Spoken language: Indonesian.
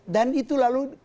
dan itu lalu